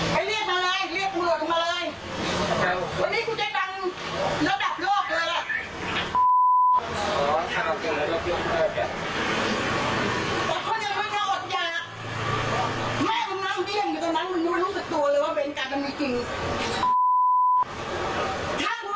แล้วมันก็จะบอกด้วยว่ามึงช่วยแก่ประตานชีวิตพี่สำราพูดจะไม่ขนกันด้วยทั้งที่ผมดูด้วย